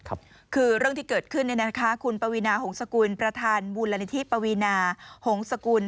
คือเรื่องที่เกิดขึ้นคุณปวีนาหงษกุลประธานมูลนิธิปวีนาหงษกุล